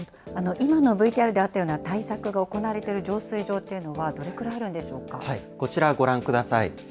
今のＶＴＲであったような対策が行われている浄水場っていうのは、こちらご覧ください。